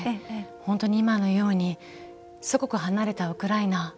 本当に、今のようにすごく離れた、ウクライナ。